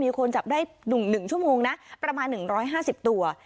มีคนจับได้๑ชั่วโมงนะประมาณ๑๕๐ตัว